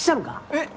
えっ！